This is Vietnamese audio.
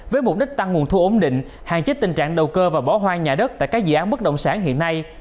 với mục đích tăng nguồn thu ổn định hạn chế tình trạng đầu cơ và bỏ hoang nhà đất tại các dự án bất động sản hiện nay